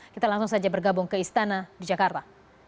kita langsung saja bergabung ke istana di jakarta